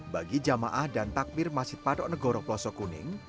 bagi jamaah dan takmir masjid patok negoro plosok kuning